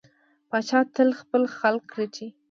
پاچا تل خپل خلک رټي.